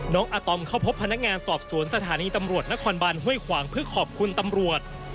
อาตอมเข้าพบพนักงานสอบสวนสถานีตำรวจนครบานห้วยขวางเพื่อขอบคุณตำรวจ